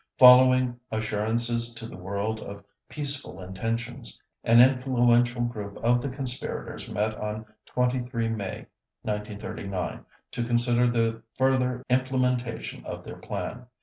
Following assurances to the world of peaceful intentions, an influential group of the conspirators met on 23 May 1939, to consider the further implementation of their plan.